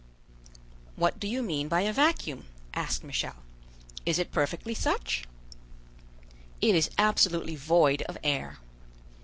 "What do you mean by a vacuum?" asked Michel. "Is it perfectly such?" "It is absolutely void of air."